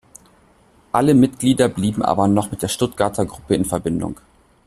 Alle Mitglieder blieben aber noch mit der Stuttgarter Gruppe in Verbindung.